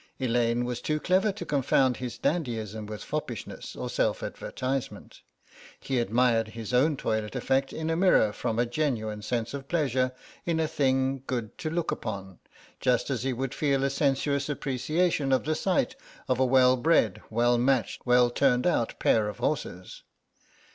Elaine was too clever to confound his dandyism with foppishness or self advertisement. He admired his own toilet effect in a mirror from a genuine sense of pleasure in a thing good to look upon, just as he would feel a sensuous appreciation of the sight of a well bred, well matched, well turned out pair of horses.